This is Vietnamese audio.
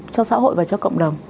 cho xã hội và cho cộng đồng